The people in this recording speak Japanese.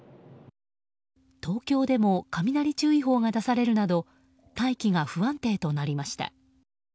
東京でも雷注意報が出されるなど大気が不安定となりました。